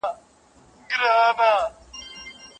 شمعی ځه الله دي مل سه رڼا نورو شپو ته یوسه